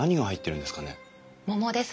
桃です。